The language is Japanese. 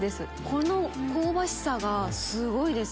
この香ばしさがすごいです。